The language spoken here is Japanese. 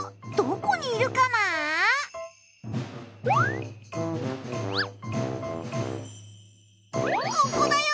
どこにいるかな？